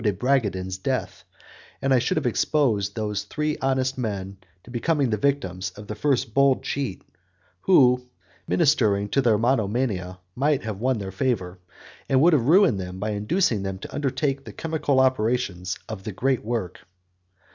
de Bragadin's death, and I should have exposed those three honest men to becoming the victims of the first bold cheat who, ministering to their monomania, might have won their favour, and would have ruined them by inducing them to undertake the chemical operations of the Great Work.